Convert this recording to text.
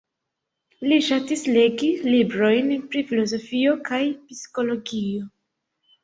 Li ŝatis legi librojn pri filozofio kaj psikologio.